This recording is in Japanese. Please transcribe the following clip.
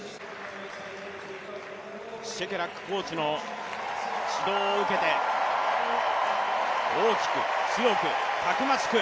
シェケラックコーチの指導を受けて、大きく、強く、たくましく。